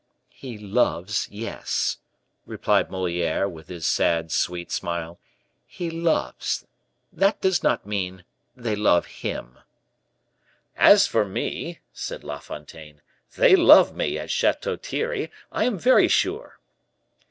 "'He loves,' yes," replied Moliere, with his sad, sweet smile. "'He loves,' that does not mean, they love him." "As for me," said La Fontaine, "they love me at Chateau Thierry, I am very sure."